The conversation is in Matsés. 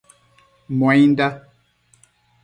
Muainda